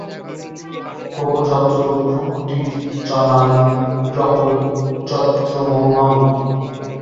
কোপো যত্র ভ্রূকুটিরচনা নিগ্রহো যত্র মৌনং।